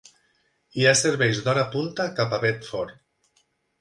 Hi ha serveis d'hora punta cap a Bedford.